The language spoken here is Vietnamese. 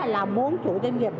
là muốn chủ doanh nghiệp